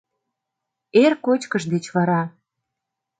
Эр кочкыш деч вара.